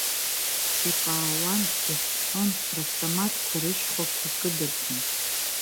Иҟаауан, иҳәҳәон, равтоматқәа рышьхәақәа кыдырҟьон.